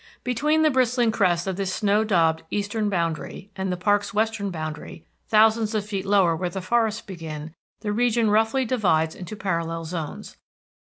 Between the bristling crest of this snow daubed eastern boundary and the park's western boundary, thousands of feet lower where the forests begin, the region roughly divides into parallel zones.